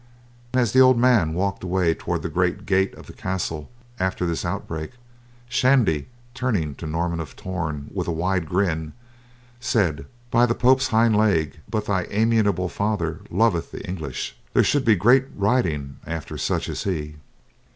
As the old man walked away toward the great gate of the castle after this outbreak, Shandy, turning to Norman of Torn, with a wide grin, said: "By the Pope's hind leg, but thy amiable father loveth the English. There should be great riding after such as he."